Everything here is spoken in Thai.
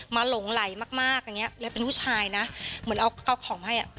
หลงไหลมากมากอย่างเงี้ยเลยเป็นผู้ชายนะเหมือนเอาเอาของให้อ่ะ